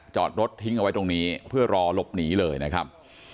จอดรถทิ้งเอาไว้ตรงนี้เพื่อรอหลบหนีเลยนะครับ